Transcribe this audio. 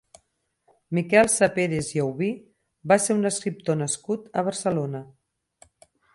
Miquel Saperas i Auví va ser un escriptor nascut a Barcelona.